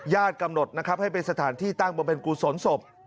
กำหนดนะครับให้เป็นสถานที่ตั้งบำเพ็ญกุศลศพ